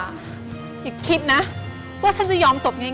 อย่าคิดนะว่าฉันจะยอมศพง่าย